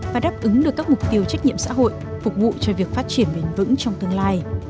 và đáp ứng được các mục tiêu trách nhiệm xã hội phục vụ cho việc phát triển bền vững trong tương lai